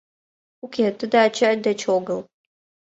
Уке, тиде ачай деч огыл.